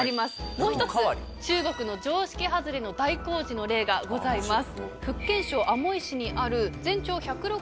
もう一つ中国の常識外れの大工事の例がございます。